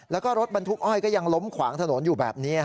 แล้วก็รถบรรทุกอ้อยก็ยังล้มขวางถนนอยู่แบบนี้